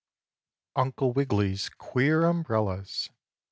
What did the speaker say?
out Uncle Wiggily's queer Umbrellas.